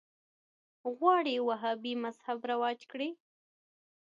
غواړي وهابي مذهب رواج کړي